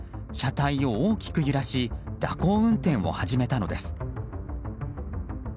車体を大きく揺らし蛇行運転を始めたのです。